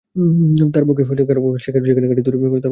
তবে কারও পক্ষে সেখানে ঘাঁটি তৈরি করে অবস্থান করার সুযোগ নেই।